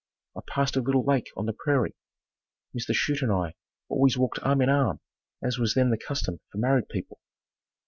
I passed a little lake on the prairie. Mr. Chute and I always walked arm in arm as was then the custom for married people.